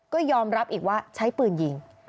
ก็ยอมรับอีกว่าใช้ปืนยิง